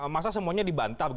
masa semuanya dibantah